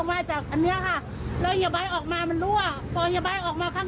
สวยชีวิตทั้งคู่ก็ออกมาไม่ได้อีกเลยครับ